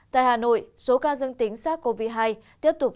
tại hà nội số ca dân tính sát covid một mươi chín tiếp tục